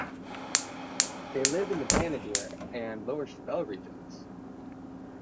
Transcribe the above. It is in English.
They live in the Banadir and Lower Shabelle regions.